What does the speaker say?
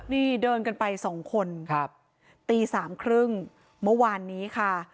นี่เดินกันไปสองคนครับตีสามครึ่งเมื่อวานนี้ค่ะ